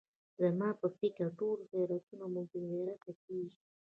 زما په فکر ټول غیرتونه مو بې غیرته کېږي.